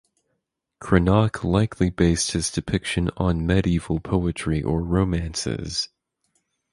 Cranach likely based his depiction on medieval poetry or romances.